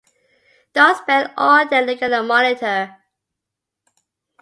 Don't spend all day looking at the monitor.